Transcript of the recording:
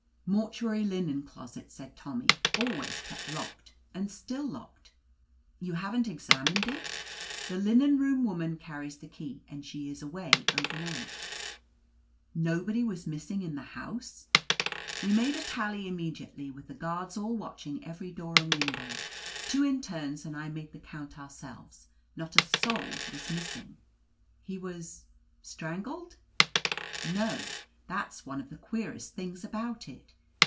"Mortuary linen closet," said Tommy. "Al ways kept locked, and still locked." "You haven't examined it?" US 99 O THE AMAZING ADVENTURES "The linen room woman carries the key, and she is away over night." "Nobody was missing in the house?" "We made a tally immediately, with the guards all watching every door and window. Two internes and I made the count ourselves, not a soul was missing.' "He was — strangled?' "No. That's one of the queerest things about It.